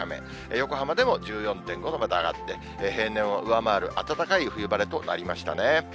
横浜でも１４．５度まで上がって、平年を上回る暖かい冬晴れとなりましたね。